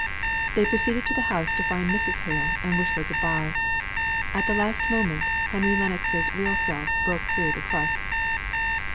They proceeded to the house to find Mrs. Hale, and wish her good bye. At the last moment, Henry Lennox's real self broke through the crust.